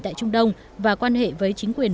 tại trung đông và quan hệ với chính quyền